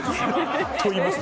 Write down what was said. といいますと？